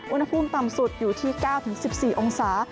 อุณหภูมิต่ำสุดอยู่ที่๙๑๔องศา